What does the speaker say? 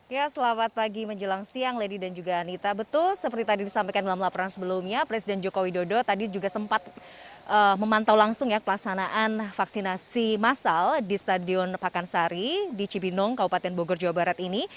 ya selamat pagi menjelang siang lady dan juga anita betul seperti tadi disampaikan dalam laporan sebelumnya presiden joko widodo tadi juga sempat memantau langsung ya pelaksanaan vaksinasi masal di stadion pakansari di cibinong kabupaten bogor jawa barat ini